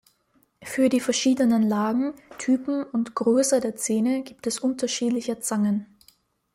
Für die verschiedenen Lagen, Typen und Größe der Zähne gibt es unterschiedliche Zangen.